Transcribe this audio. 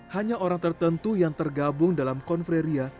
hanya orang tertentu yang tergabung dalam konferia